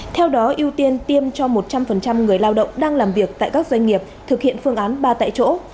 theo đó ưu tiên tiêm cho một trăm linh người lao động đang làm việc tại các doanh nghiệp thực hiện phương án ba tại chỗ